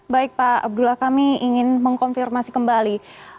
baik pak abdullah kami ingin mengkonfirmasi kembali